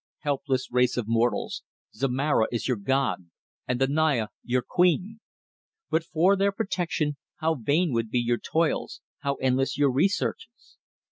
Helpless race of mortals, Zomara is your god and the Naya your queen. But for their protection how vain would be your toils, how endless your researches!